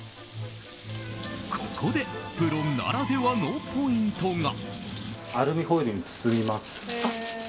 ここでプロならではのポイントが。